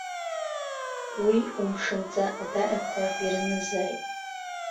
Уи умшынҵа адаҟьақәа ирнызааит.